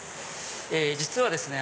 実はですね